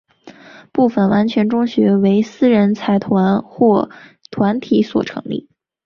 部分完全中学为私人财团或团体所成立。